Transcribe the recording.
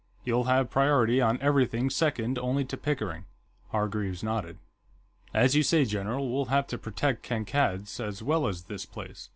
You'll have priority on everything second only to Pickering." Hargreaves nodded. "As you say, general, we'll have to protect Kankad's, as well as this place.